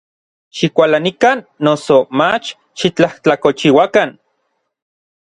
Xikualanikan, noso mach xitlajtlakolchiuakan.